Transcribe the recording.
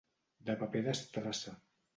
De paper d'estrassa.